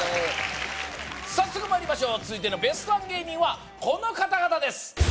早速まいりましょう続いてのベストワン芸人はこの方々です